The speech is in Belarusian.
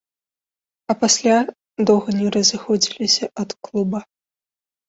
А пасля доўга не разыходзіліся ад клуба.